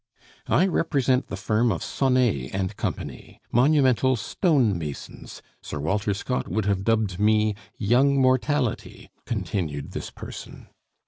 "I represent the firm of Sonet and Company, monumental stone masons; Sir Walter Scott would have dubbed me Young Mortality," continued this person.